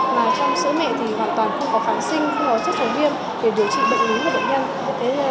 mà trong sữa mẹ thì hoàn toàn không có phản sinh không có chất chống viêm để điều trị bệnh lý của bệnh nhân